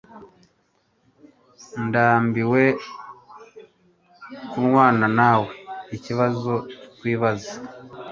Ndambiwe kurwana nawe ikibazo twibaza